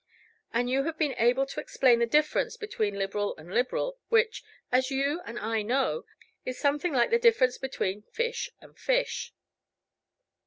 And you have been able to explain the difference between Liberal and Liberal, which, as you and I know, is something like the difference between fish and fish."